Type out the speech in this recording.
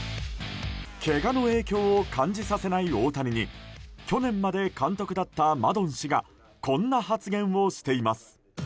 けがの影響を感じさせない大谷に去年まで監督だったマドン氏がこんな発言をしています。